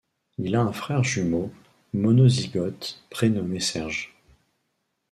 Il a un frère jumeau monozygote prénommé Serge.